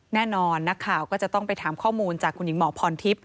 แน่นอนนักข่าวก็จะต้องไปถามข้อมูลจากคุณหญิงหมอพรทิพย